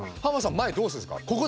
前どうするんすか？